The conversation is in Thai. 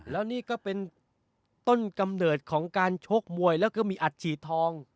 แล้วนี่ก็เป็นต้นกำเนิดของการชกมวยแล้วก็มีอัดฉีดทอง